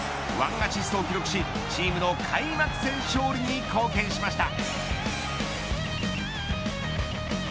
１アシストを記録しチームの開幕戦勝利に貢献しました。